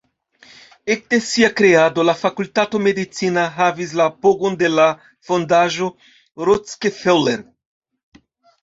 Ekde sia kreado, la Fakultato Medicina havis la apogon de la Fondaĵo Rockefeller.